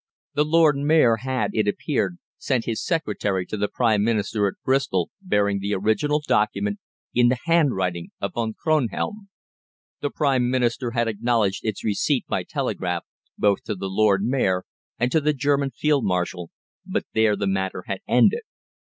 The Lord Mayor had, it appeared, sent his secretary to the Prime Minister at Bristol bearing the original document in the handwriting of Von Kronhelm. The Prime Minister had acknowledged its receipt by telegraph both to the Lord Mayor and to the German Field Marshal, but there the matter had ended.